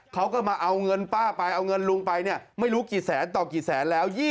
เขาก็มาเอาเงินป้าไปเอาเงินลุงไปเนี่ยไม่รู้กี่แสนต่อกี่แสนแล้ว